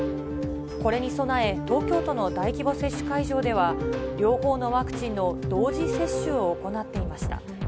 これに備え、東京都の大規模接種会場では、両方のワクチンの同時接種を行っていました。